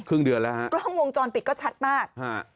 กล้องวงจรปิดชัดมาก